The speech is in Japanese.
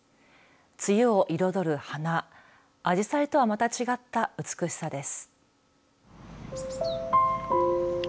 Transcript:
梅雨を彩る花あじさいとはまた違った美しさです。